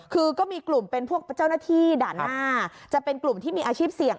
คือก็มีกลุ่มเป็นพวกเจ้าหน้าที่ด่านหน้าจะเป็นกลุ่มที่มีอาชีพเสี่ยง